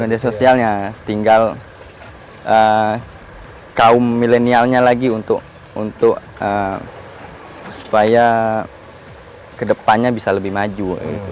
media sosialnya tinggal kaum milenialnya lagi untuk supaya kedepannya bisa lebih maju